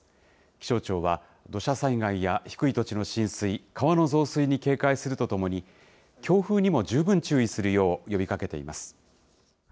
気象庁は、土砂災害や低い土地の浸水、川の増水に警戒するとともに、強風にも十分注意するよう呼びかけています。